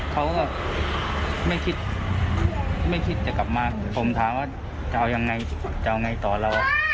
เขาก็ไม่คิดไม่คิดจะกลับมาผมถามว่าจะเอายังไงจะเอาไงต่อเรา